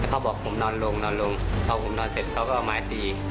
แล้วเขาบอกว่าผมนอนลงพอผมนอนเสร็จเขาก็เอาไม้ดี